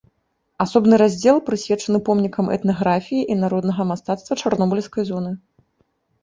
Асобны раздзел прысвечаны помнікам этнаграфіі і народнага мастацтва чарнобыльскай зоны.